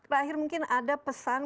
pak akhir mungkin ada pesan